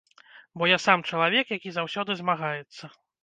Бо я сам чалавек, які заўсёды змагаецца.